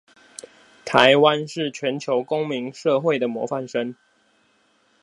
臺灣是全球公民社會的模範生